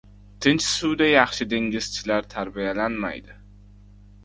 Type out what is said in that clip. Tinch suvda yaxshi dengizchilar tarbiyalanmaydi.